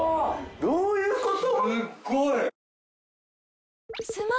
どういうこと？